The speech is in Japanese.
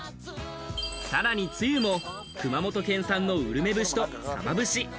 さらに、つゆも熊本県産のうるめ節とサバ節。